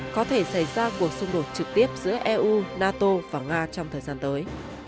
có thể xảy ra cuộc xung đột trực tiếp giữa eu nato và nga trong thời gian tới